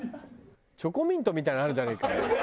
チョコミントみたいなのあるじゃねえかよ。